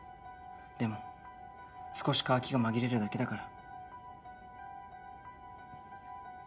でも少し渇きが紛れるだけだから。